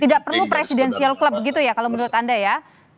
tidak perlu presidential club begitu ya kalau menurut anda ya